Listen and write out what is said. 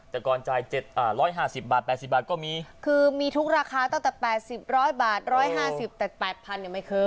แต่ก่อนจ่าย๗๕๐บาท๘๐บาทก็มีคือมีทุกราคาตั้งแต่๘๐๑๐๐บาท๑๕๐แต่๘๐๐เนี่ยไม่เคย